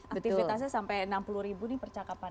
aktivitasnya sampai enam puluh ribu nih percakapan